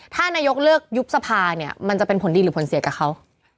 ถ้านายกเลือกยุบสภาเนี่ยมันจะเป็นผลดีหรือผลเสียกับเขา